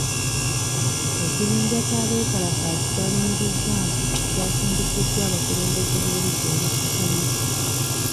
Ekibinja ky'abeekalakaasi kyalumirizza nti kyasindikiddwa abakulembeze b'oludda oluvuganya.